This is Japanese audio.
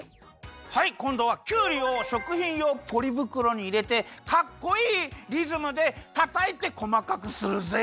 はいこんどはきゅうりをしょくひんようポリぶくろにいれてかっこいいリズムでたたいてこまかくするぜい！